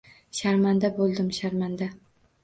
– Sharmanda bo‘ldim, sharmanda!